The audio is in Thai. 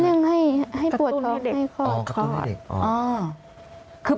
เร่งให้ปวดท้องให้คลอด